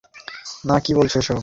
না, কি বলছিস এসব?